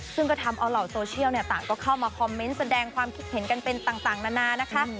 ซึ่งก็ทำเอาเหล่าโซเชียลต่างก็เข้ามาคอมเมนต์แสดงความคิดเห็นกันเป็นต่างนานานะคะ